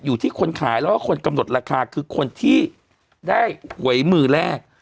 อยู่ที่คนขายแล้วก็คนกำหนดราคาคือคนที่ได้หวยมือแรก